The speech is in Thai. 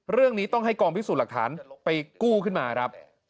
เรื่องนี้ต้องให้กองพิสูจน์หลักฐานไปกู้ขึ้นมาครับ